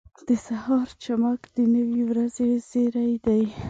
• د سهار چمک د نوې ورځې زیری دی.